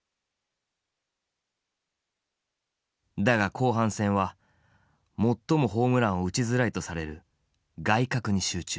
だが後半戦は最もホームランを打ちづらいとされる外角に集中。